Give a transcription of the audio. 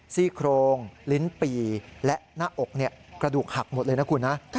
ซี่โครงลิ้นปี่และหน้าอกกระดูกหักหมดเลยนะคุณนะ